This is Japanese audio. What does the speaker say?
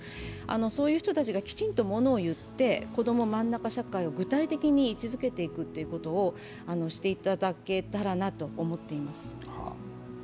そういう人たちがきちんと物を言って、こどもまんなか社会を具体的に位置づけていくことをしていただけたらなと思います。